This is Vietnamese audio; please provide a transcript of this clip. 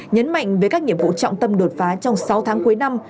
nhấn mạnh về các nhiệm vụ trọng tâm đột phá trong sáu tháng cuối năm